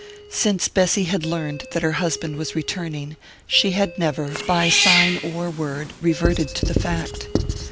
Since Bessy had learned that her husband was returning she had never, by sign or word, reverted to the fact.